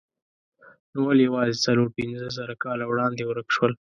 نو ولې یوازې څلور پنځه زره کاله وړاندې ورک شول؟